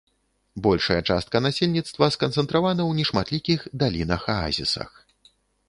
Большая частка насельніцтва сканцэнтравана ў нешматлікіх далінах-аазісах.